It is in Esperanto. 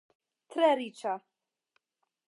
Tre riĉa.